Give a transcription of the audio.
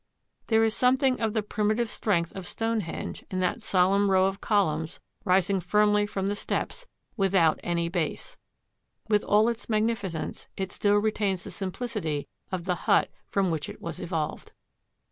There is something of the primitive strength of Stonehenge in that solemn row of columns rising firmly from the steps #without any base#. With all its magnificence, it still retains the simplicity of the hut from which it was evolved.